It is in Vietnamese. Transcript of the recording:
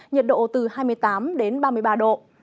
nhiệt độ từ hai mươi tám đến ba mươi ba độ